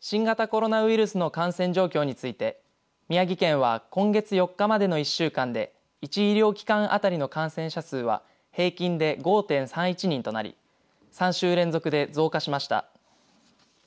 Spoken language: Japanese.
新型コロナウイルスの感染状況について宮城県は今月４日までの１週間で１医療機関当たりの感染者数は平均で５．３１人となり３週連続で増加しました。